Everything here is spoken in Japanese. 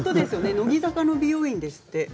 乃木坂の美容院ですって。